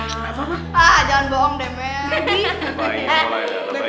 ah jangan bohong deh baby